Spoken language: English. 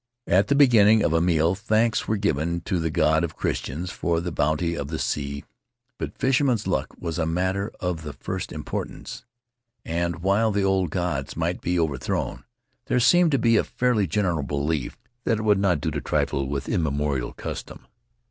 At the beginning of a meal thanks were given to the God of Christians for the bounty of the sea; but fisherman's luck was a matter of the first importance, and, while the old gods might be overthrown, there seemed to be a fairly general belief that it would not do to trifle with immemorial custom.